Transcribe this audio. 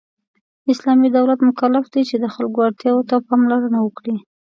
اسلامی دولت مکلف دی چې د خلکو اړتیاوو ته پاملرنه وکړي .